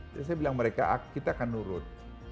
jadi saya bilang mereka kita akan nurut